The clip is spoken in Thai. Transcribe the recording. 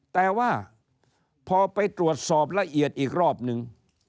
แต่ว่าพอไปตรวจสอบละเอียดอีกรอบนึง